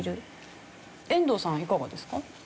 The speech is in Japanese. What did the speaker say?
遠藤さんはいかがですか？